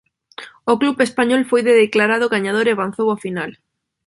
O Club Español foi declarado gañador e avanzou á final.